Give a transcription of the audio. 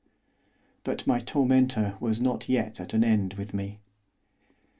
But my tormentor was not yet at an end with me.